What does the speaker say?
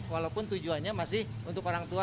walaupun tujuannya masih untuk orang tua